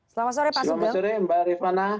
selamat sore mbak rifana